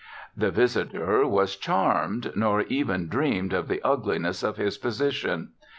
_ The visitor was charmed, nor even dreamed of the ugliness of his position.